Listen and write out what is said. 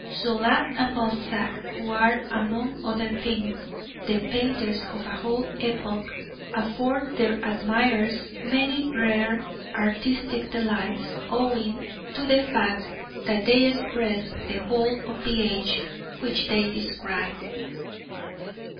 Zola and Balzac, who are, among other things, the painters of a whole epoch, afford their admirers many rare artistic delights owing to the fact that they express the whole of the age which they describe.